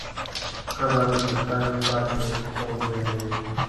قبر د تل پاتې خوب ځای دی.